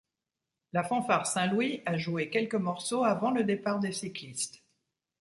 La Fanfare St Louis a joué quelques morceaux avant le départ des cyclistes.